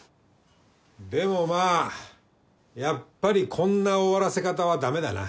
でもまあやっぱりこんな終わらせ方は駄目だな。